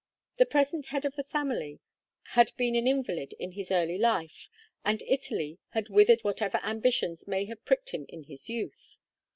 The present head of the family had been an invalid in his early life, and Italy had withered whatever ambitions may have pricked him in his youth.